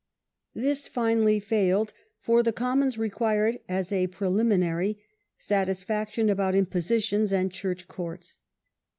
This finally failed, for the Commons required, as a pre liminary, satisfaction about "impositions" and church courts.